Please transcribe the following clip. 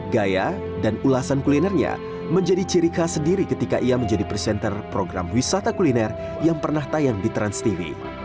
gaya dan ulasan kulinernya menjadi ciri khas sendiri ketika ia menjadi presenter program wisata kuliner yang pernah tayang di transtv